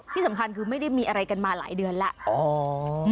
ที่สำคัญคือไม่ได้มีอะไรกันมาหลายเดือนแล้ว